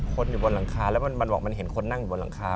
คนอยู่บนหลังคาแล้วมันบอกมันเห็นคนนั่งอยู่บนหลังคา